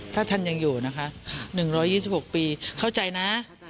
ถ้าท่านยังอยู่นะคะ๑๒๖ปีเข้าใจนะ